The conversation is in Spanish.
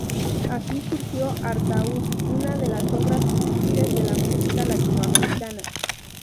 Así surgió "Artaud", una de las obras cúspides de la música latinoamericana.